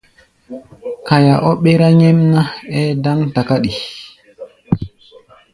Kaya ɔ́ ɓérá nyɛ́mná, ɛ́ɛ́ dáŋ takáɗi.